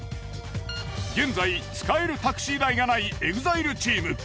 現在使えるタクシー代がないＥＸＩＬＥチーム。